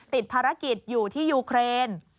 ติดภารกิจอยู่ที่ยูเครน